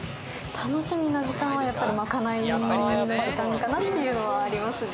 楽しみな時間はやっぱり、まかないの時間かなっていうのはありますね。